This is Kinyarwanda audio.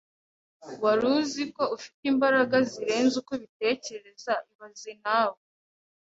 Wari uziko ufite imbaraga zirenze uko ubitekereza ibaze nawe(Eldad)